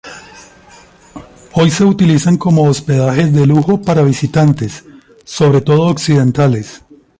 Hoy se utilizan como hospedajes de lujo para visitantes, sobre todo occidentales.